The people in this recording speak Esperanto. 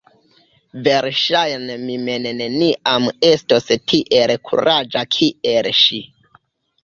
Verŝajne mi mem neniam estos tiel kuraĝa kiel ŝi.